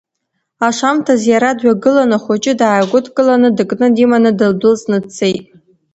Ашамҭаз иара дҩагылан, ахәыҷы дааигәыдкыланы дыкны диманы дылдәылҵны дцеит.